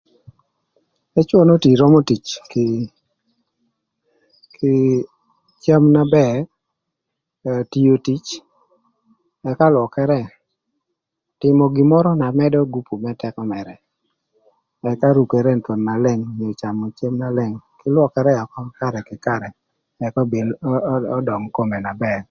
Ëcwö n'otii römö tic kï kï cem na bër ëka kï ngeo tio tic ëka lwökërë tïmö gin mörö na mëdö gupu më tëkö mërë. Ëka rukere na leng thon kinge camö cem na leng kï lwökërë ökö karë kï karë ëka obin ödöng kome na bër.